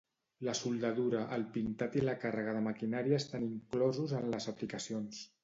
La soldadura, el pintat i la càrrega de maquinària estan inclosos en les aplicacions.